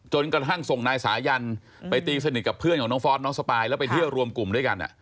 กระทั่งส่งนายสายันไปตีสนิทกับเพื่อนของน้องฟอสน้องสปายแล้วไปเที่ยวรวมกลุ่มด้วยกัน